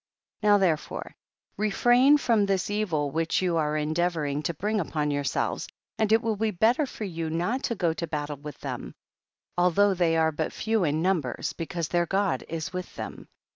20. Now therefore refrain from this evil which you are endeavoring to bring upon yourselves, and it will be better for you not to go to battle with them, although they are but few in numbers, because their God is with them.